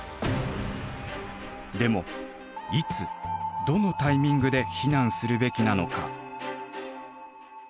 でもいつどのタイミングで避難するべきなのか。